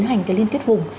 có cái liên kết vùng